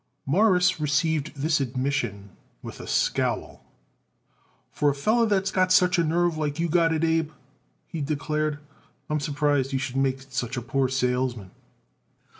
Morris received this admission with a scowl. "For a feller what's got such a nerve like you got it, Abe," he declared, "I am surprised you should make it such a poor salesman."